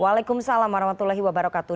waalaikumsalam warahmatullahi wabarakatuh